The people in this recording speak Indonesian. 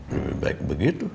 lebih baik begitu